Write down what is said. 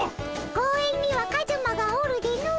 公園にはカズマがおるでの。